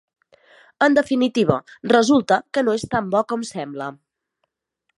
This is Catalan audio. En definitiva, resulta que no és tan bo com sembla.